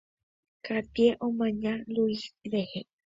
Katie omaña Luis rehe.